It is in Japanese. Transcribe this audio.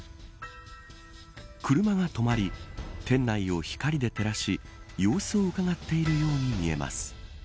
車が止まり店内を光で照らし様子をうかがっているように見えます。